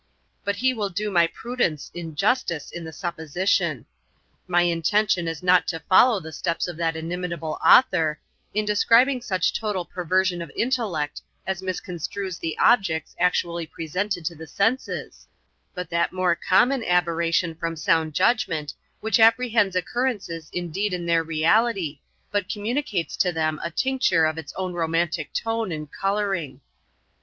But he will do my prudence injustice in the supposition. My intention is not to follow the steps of that inimitable author, in describing such total perversion of intellect as misconstrues the objects actually presented to the senses, but that more common aberration from sound judgment, which apprehends occurrences indeed in their reality, but communicates to them a tincture of its own romantic tone and colouring.